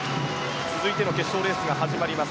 続いての決勝レースが始まります。